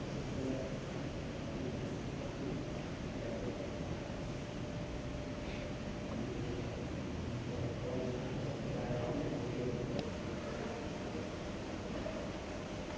สวัสดีครับสวัสดีครับ